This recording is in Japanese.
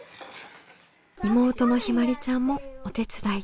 妹のひまりちゃんもお手伝い。